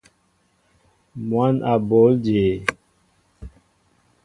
Mwăn a bǒl jě ?